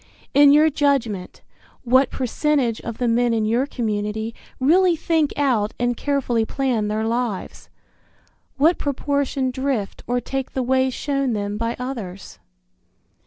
In your judgment, what percentage of the men in your community really think out and carefully plan their lives? What proportion drift or take the way shown them by others?